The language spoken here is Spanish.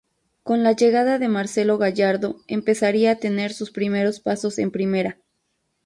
Con la llegada de Marcelo Gallardo empezaría a tener sus primeros pasos en primera.